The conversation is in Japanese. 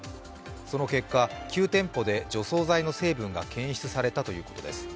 その結果、９店舗で除草剤の成分が検出されたということです。